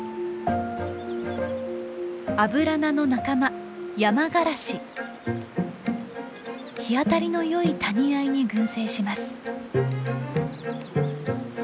アブラナの仲間日当たりのよい谷あいに群生します。